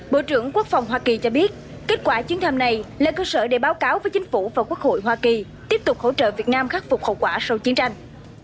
bộ trưởng quốc phòng hoa kỳ cho biết kết quả chuyến thăm này là cơ sở để báo cáo với chính phủ và quốc hội hoa kỳ tiếp tục hỗ trợ việt nam khắc phục hậu quả sau chiến tranh